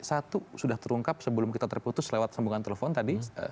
satu sudah terungkap sebelum kita terputus lewat sambungan telepon tadi